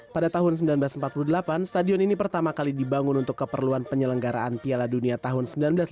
pada tahun seribu sembilan ratus empat puluh delapan stadion ini pertama kali dibangun untuk keperluan penyelenggaraan piala dunia tahun seribu sembilan ratus sembilan puluh